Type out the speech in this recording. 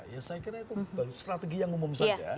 ya saya kira itu baru strategi yang umum saja